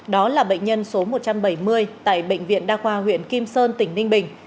đó là bệnh nhân số một trăm bảy mươi tại bệnh viện đa khoa huyện kim sơn tỉnh ninh bình